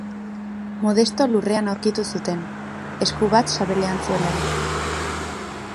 Modesto lurrean aurkitu zuten, esku bat sabelean zuelarik.